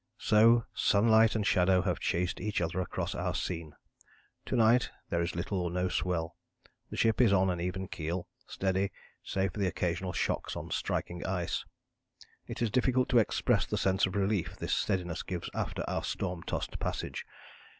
So sunlight and shadow have chased each other across our scene. To night there is little or no swell the ship is on an even keel, steady, save for the occasional shocks on striking ice. "It is difficult to express the sense of relief this steadiness gives after our storm tossed passage.